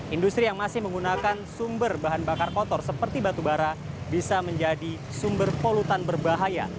industri yang masih menggunakan sumber bahan bakar kotor seperti batubara bisa menjadi sumber polutan berbahaya